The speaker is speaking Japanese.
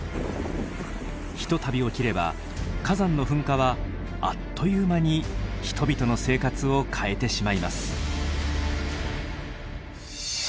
ひとたび起きれば火山の噴火はあっという間に人々の生活を変えてしまいます。